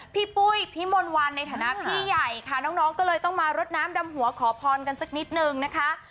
ปุ้ยพี่มนต์วันในฐานะพี่ใหญ่ค่ะน้องก็เลยต้องมารดน้ำดำหัวขอพรกันสักนิดนึงนะคะ